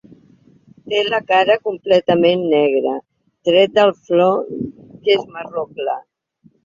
Té la cara completament negra, tret del front, que és marró clar.